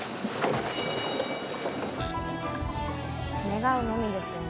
願うのみですよね。